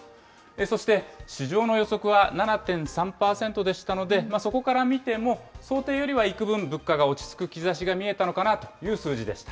そして市場の予測は７．３％でしたので、そこから見ても、想定よりはいくぶん物価が落ち着く兆しが見えたのかなという数字でした。